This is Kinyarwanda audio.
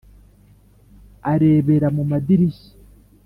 Arebera mu madirishya